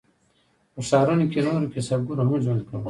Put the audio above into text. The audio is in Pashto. په ښارونو کې نورو کسبګرو هم ژوند کاوه.